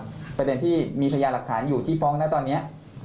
เกียรติประเด็นที่มีพญาหลักฐานอยู่ที่ป้องนะตอนเนี้ย